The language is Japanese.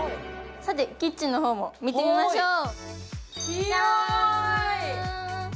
さてキッチンの方も見てみましょう、ジャーン。